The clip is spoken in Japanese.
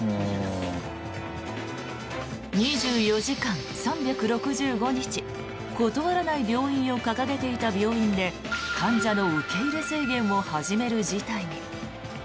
２４時間３６５日断らない病院を掲げていた病院で患者の受け入れ制限を始める事態に。